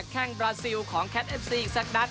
แข่งบราซิลของแคทเอฟซีแซกดัส